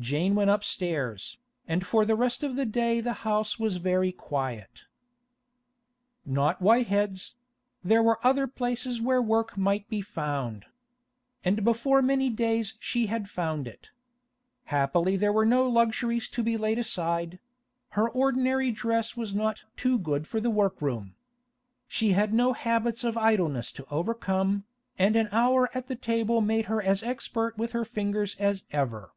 Jane went upstairs, and for the rest of the day the house was very quiet. Not Whitehead's; there were other places where work might be found. And before many days she had found it. Happily there were no luxuries to be laid aside; her ordinary dress was not too good for the workroom. She had no habits of idleness to overcome, and an hour at the table made her as expert with her fingers as ever.